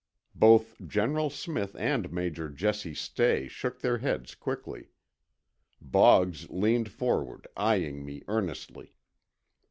Both General Smith and Major Jesse Stay shook their heads quickly. Boggs leaned forward, eyeing me earnestly.